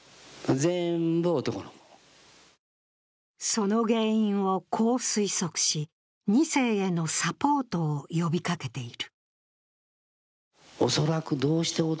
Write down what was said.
その原因をこう推測し、２世へのサポートを呼びかけている。